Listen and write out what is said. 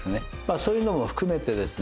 そういうのも含めてですね